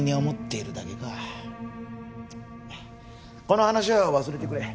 この話は忘れてくれ。